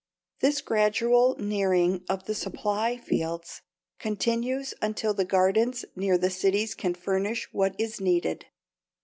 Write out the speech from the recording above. This gradual nearing of the supply fields continues until the gardens near the cities can furnish what is needed.